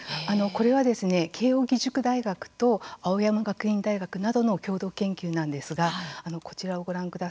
これはですね慶應義塾大学と青山学院大学などの共同研究なんですがこちらをご覧ください。